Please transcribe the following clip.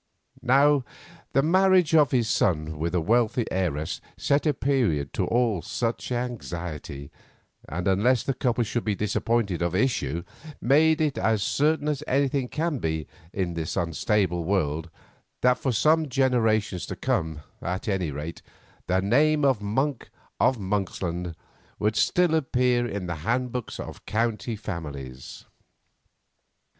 Now the marriage of his son with a wealthy heiress set a period to all such anxiety, and unless the couple should be disappointed of issue, made it as certain as anything can be in this mutable world, that for some generations to come, at any rate, the name of Monk of Monksland would still appear in the handbooks of county families.